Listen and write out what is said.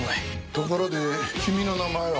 ところで君の名前は？